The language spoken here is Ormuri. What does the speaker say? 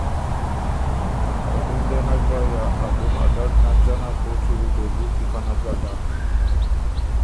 که ډُم دې نک بۀ یا ا ډُم ا ډډ نک ځنا کوک يې بو دېولي کی خه نک ګډا۔